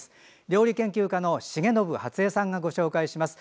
料理研究家の重信初江さんがご紹介します。